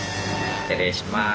失礼します。